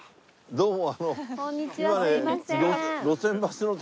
どうも。